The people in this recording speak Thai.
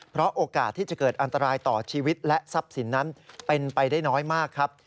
เพราะโอกาสที่จะเกิดอันตรายต่อชีวิตและทรัพย์สินนั้นเป็นไปได้น้อยมากครับ